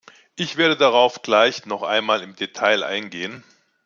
Ich werde darauf gleich noch einmal im Detail eingehen.